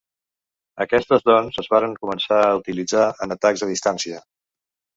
Aquestes doncs es varen començar a utilitzar en atacs a distància.